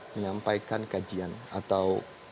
menyampaikan kajian atau